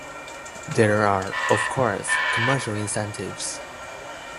There are, of course, commercial incentives.